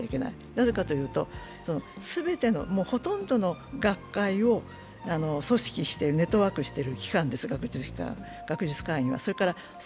なぜかというと、すべてのほとんどの学会を組織している、ネットワークしている機関です学術会議というのは。